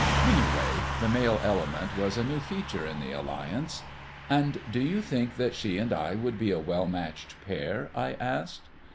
Anyway, the male element was a new feature in the alliance. "And do you think that she and I would be a well matched pair?" I asked.